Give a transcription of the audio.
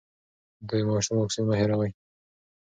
د ماشوم واکسین مه هېروئ.